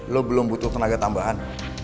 lo belum butuh tenaga tambahan